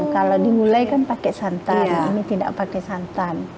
kalau dimulai kan pakai santan kami tidak pakai santan